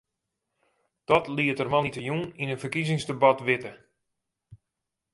Dat liet er moandeitejûn yn in ferkiezingsdebat witte.